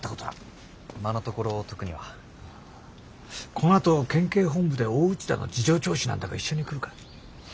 このあと県警本部で大内田の事情聴取なんだが一緒に来るか？